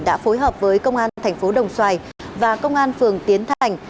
đã phối hợp với công an thành phố đồng xoài và công an phường tiến thành